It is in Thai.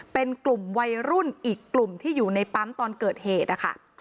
เป็นกลุ่มวัยรุ่นอีกกลุ่มที่อยู่ในปั๊มตอนเกิดเหตุนะคะ